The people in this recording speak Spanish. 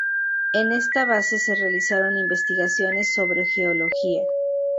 En esta base se realizaron investigaciones sobre geología.